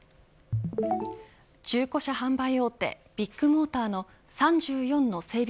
中古車販売大手ビッグモーターの３４の整備